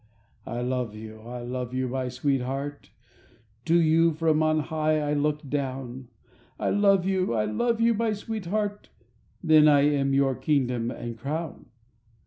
I love you, I love you, my sweetheart, To you from on high I look down; I love you, I love you, my sweetheart— Then I am your kingdom and crown.